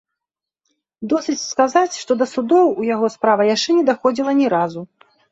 Досыць сказаць, што да судоў у яго справа яшчэ не даходзіла ні разу.